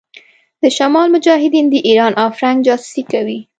د شمال مجاهدين د ايران او فرنګ جاسوسي کوي.